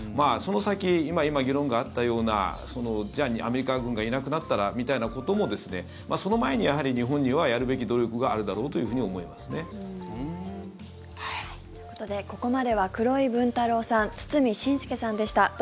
その先、今、議論があったようなじゃあ、アメリカ軍がいなくなったらみたいなこともその前に、やはり日本にはやるべき努力があるだろうというふうに思いますね。ということでここまでは黒井文太郎さん堤伸輔さんでした。